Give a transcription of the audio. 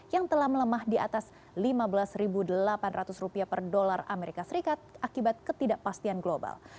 yang telah melemah di atas lima belas delapan ratus rupiah per dolar as akibat ketidakpastian global